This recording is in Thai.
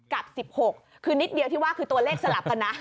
กับ๑๖คือนิดเดียวที่ว่าคือตัวเลขสลับกันนะ